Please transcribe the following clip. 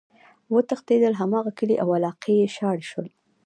وتښتيدل!! هماغه کلي او علاقي ئی شاړ شول،